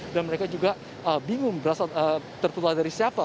dan mereka juga bingung berasal tertulah dari siapa